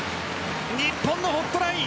日本のホットライン。